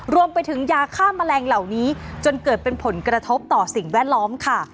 รวมไปถึงยาฆ่าแมลงเหล่านี้จนเกิดเป็นผลกระทบต่อสิ่งแวดล้อมค่ะ